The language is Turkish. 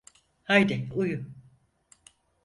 Haydi uyu.